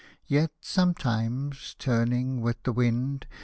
Yet, sometimes turning with the wind.